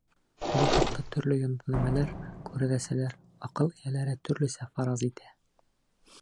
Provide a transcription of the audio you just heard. Был хаҡта төрлө йондоҙнамәләр, күрәҙәселәр, аҡыл эйәләре төрлөсә фараз итә.